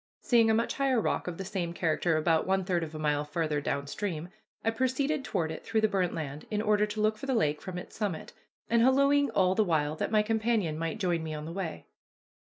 Seeing a much higher rock of the same character about one third of a mile farther down stream, I proceeded toward it through the burnt land, in order to look for the lake from its summit, and hallooing all the while that my companion might join me on the way.